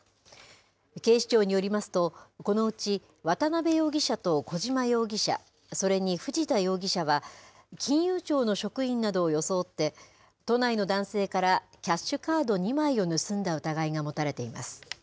警視庁によりますと、このうち渡邉容疑者と小島容疑者、それに藤田容疑者は、金融庁の職員などを装って、都内の男性からキャッシュカード２枚を盗んだ疑いが持たれています。